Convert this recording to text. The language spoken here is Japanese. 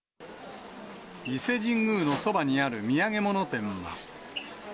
伊勢神宮のそばにある土産物店は。